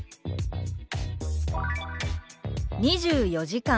「２４時間」。